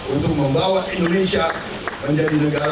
untuk membawa indonesia menjadi negara